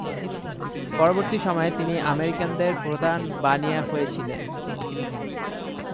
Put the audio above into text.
পরবর্তী সময়ে তিনি আমেরিকানদের প্রধান বানিয়া হয়েছিলেন।